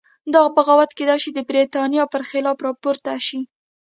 دا بغاوت کېدای شي د برتانیې په خلاف راپورته شي.